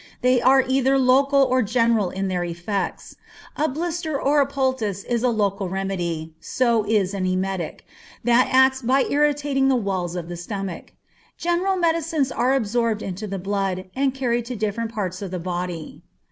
They are either local or general in their effects. A blister or a poultice is a local remedy, so is an emetic, that acts by irritating the walls of the stomach. General medicines are absorbed into the blood, and carried to different parts of the body.